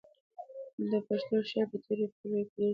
د پښتو شعر په تېرو پېړیو کې ډېر سبکونه لیدلي دي.